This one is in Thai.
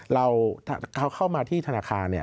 เราเขาเข้ามาที่ธนาคารเนี่ย